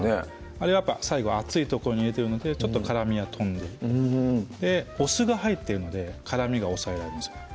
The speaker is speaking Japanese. あれやっぱ最後熱い所に入れてるのでちょっと辛みは飛んでるとお酢が入ってるので辛みが抑えられますよね